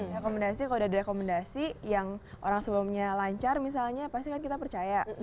rekomendasi kalau ada rekomendasi yang orang sebelumnya lancar misalnya pasti kan kita percaya